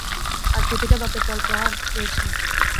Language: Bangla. আর প্রতিটা বাঁকে তলপ্রহার রয়েছে।